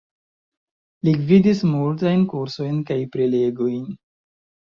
Li gvidis multajn kursojn kaj prelegojn.